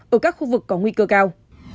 ở các khu vực có nguy cơ cao